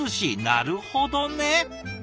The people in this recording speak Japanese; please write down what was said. なるほどね！